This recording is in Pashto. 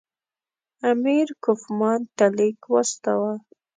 امیر کوفمان ته لیک واستاوه.